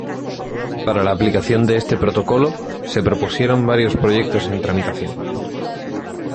Para la aplicación de este protocolo, se propusieron varios proyectos en tramitación.